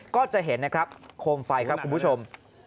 ก็จะเห็นนะครับโคมไฟครับคุณผู้ชม